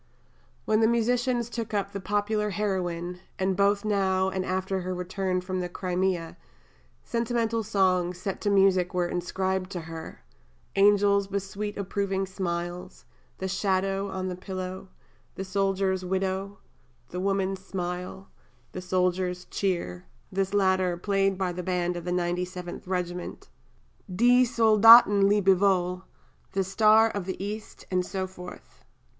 Then the musicians took up the Popular Heroine, and both now, and after her return from the Crimea, sentimental songs, set to music, were inscribed to her: "Angels with Sweet Approving Smiles," "The Shadow on the Pillow," "The Soldier's Widow," "The Woman's Smile," "The Soldier's Cheer" this latter "played by the band of the 97th Regiment," "Die Soldaten Lebewohl," "The Star of the East," and so forth.